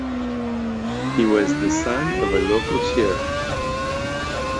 He was the son of a local sheriff.